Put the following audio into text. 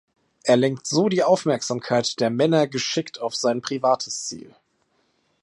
Er lenkt so die Aufmerksamkeit der Männer geschickt auf sein privates Ziel.